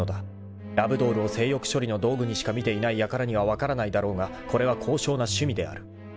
［ラブドールを性欲処理の道具にしか見ていないやからには分からないだろうがこれは高尚な趣味である］